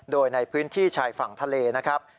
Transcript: โดยในพื้นที่ชายฝั่งทะเลนะครับ